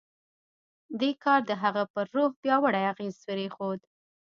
دې کار د هغه پر روح پیاوړی اغېز پرېښود